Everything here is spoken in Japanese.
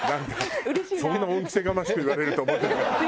そんな恩着せがましく言われると思ってなかった。